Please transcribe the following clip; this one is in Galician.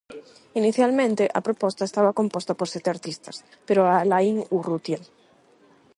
Inicialmente, a proposta estaba composta por sete artistas, pero Alain Urrutia.